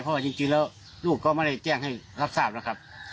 เพราะว่าจริงแล้วลูกก็ไม่ได้แจ้งให้รับทราบนะครับ